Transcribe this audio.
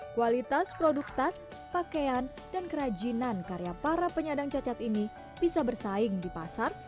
kualitas produk tas pakaian dan kerajinan karya para penyandang cacat ini bisa bersaing di pasar